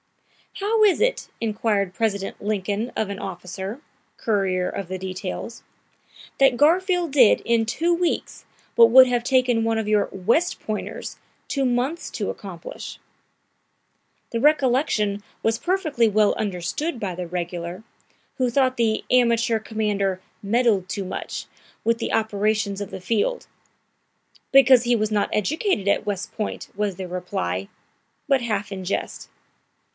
"How is it," inquired President Lincoln of an officer, courier of the details, "that Garfield did in two weeks what would have taken one of your West Pointers two months to accomplish?" The recollection was perfectly well understood by the regular, who thought the amateur commander "meddled too much" with the operations of the field. "Because he was not educated at West Point," was the reply, but half in jest.